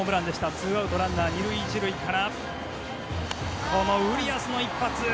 ２アウト、ランナー２塁１塁からこのウリアスの一発。